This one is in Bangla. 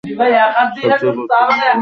সবচেয়ে গুরুত্বপূর্ণ জিনিস?